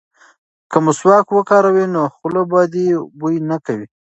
که مسواک وکاروې نو خوله به دې بوی نه کوي.